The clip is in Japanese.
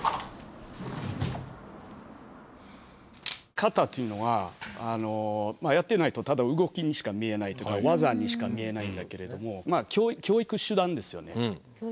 型というのはやってないとただ動きにしか見えないというか技にしか見えないんだけれどもまあ教育手段ですよね。